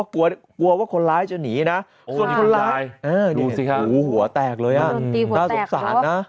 กลัวว่าคนร้ายจะหนีนะโอ้โหที่คนร้ายดูสิค่ะหัวแตกเลยอะต้าสกสารนะ